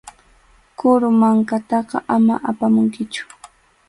Qhuru mankataqa ama apamunkichu.